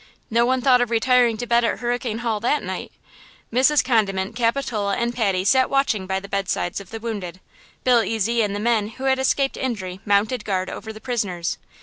No one thought of retiring to bed at Hurricane Hall that night. Mrs. Condiment, Capitola and Patty sat watching by the bedsides of the wounded. Bill Ezy and the men who had escaped injury mounted guard over the prisoners.